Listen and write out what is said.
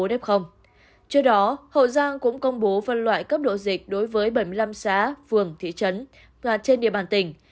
trước đó hậu giang cũng công bố phân loại cấp độ dịch đối với bảy mươi năm xã phường thị trấn và trên địa bàn tỉnh